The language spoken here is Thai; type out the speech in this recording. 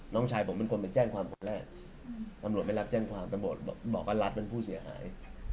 น้องชายผมเป็นคนไปแจ้งความคนแรกตำรวจไม่รับแจ้งความตำรวจบอกว่ารัฐเป็นผู้เสียหาย